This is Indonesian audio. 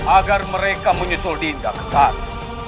agar mereka menyusul dinda ke sana